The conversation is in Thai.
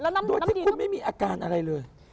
โดยที่คุณไม่มีอาการอะไรเลย